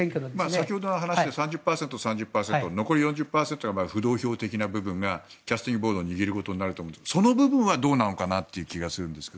先ほどの話だと３０％、３０％残りの４０％が浮動票的な部分がキャスティングボートを握ることになると思いますがその部分はどうなのかなという気がするんですが。